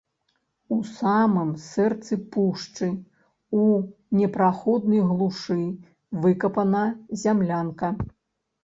У самым сэрцы пушчы, у непраходнай глушы выкапана зямлянка.